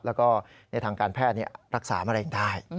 แล้วก็ในทางการแพทย์รักษามะเร็งได้